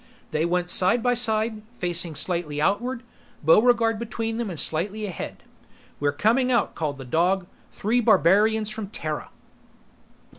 They went side by side, facing slightly outward, Buregarde between them and slightly ahead. "We're coming out!" called the dog. "Three Barbarians from Terra!"